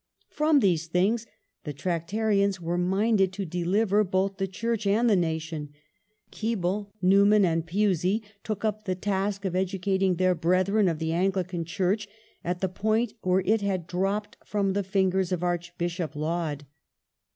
From these things the Tractarians were minded to deliver both the Church and the nation. Keble, Newman, and Pusey took up the task of educating their brethren of the Anglican Church at the point where it had dropped from the fingers of Archbishop Laud.